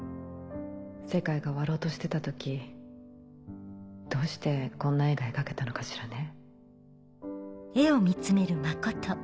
世界が終わろうとしてた時どうしてこんな絵が描けたのかしらね。